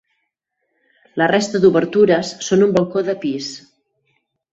La resta d'obertures són un balcó de pis.